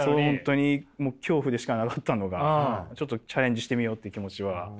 本当に恐怖でしかなかったのがちょっとチャレンジしてみようっていう気持ちは。